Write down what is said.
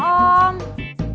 selamat siang om